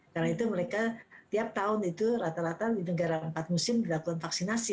karena itu mereka tiap tahun itu rata rata di negara empat musim dilakukan vaksinasi